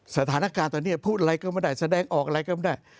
สถานการณ์ตอนนี้พูดอะไรก็ไม่ได้แสดงออกอะไรก็ไม่ได้